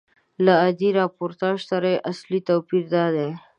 له عادي راپورتاژ سره یې اصلي توپیر دادی.